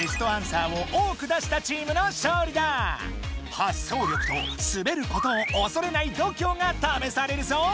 発想力とスベることをおそれない度胸がためされるぞ！